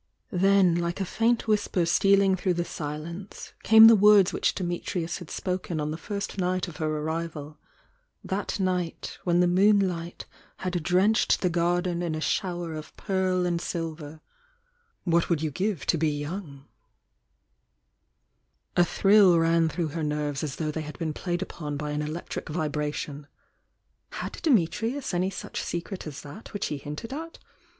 ^^ Then like a faint whisper stealing through the silence, came the words which Dimitrms had spoken on the first night of her arrival— that night when the moonlight had drenched the garden in a shower of pearl and silver,— "IFftat would you give to be young t" A thrill ran through her nerves as though they had been played upon by an electric vibration. Had Dimitrius any such secret as that which he hinted ftt?